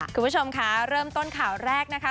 คุณผู้ชมค่ะเริ่มต้นข่าวแรกนะคะ